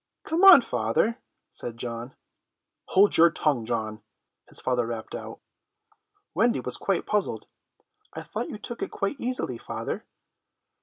"Come on, father," said John. "Hold your tongue, John," his father rapped out. Wendy was quite puzzled. "I thought you took it quite easily, father."